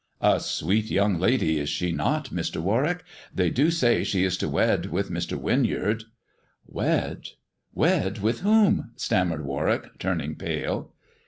" A sweet young lady, is she not, Mr. Warwick 1 They do say she is to wed with Mr. Winyard." " Wed — wed with whom ]" stammered Warwick, turning pale.